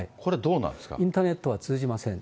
インターネットは通じません。